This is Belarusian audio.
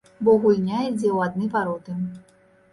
Бо гульня ідзе ў адны вароты.